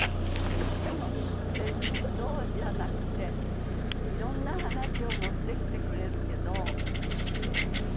でも別にそうじゃなくていろんな話を持ってきてくれるけど。